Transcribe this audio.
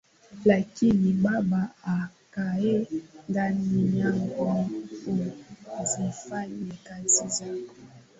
lakini Baba akaaye ndani yangu huzifanya kazi zake